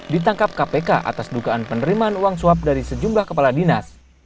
ditangkap kpk atas dugaan penerimaan uang suap dari sejumlah kepala dinas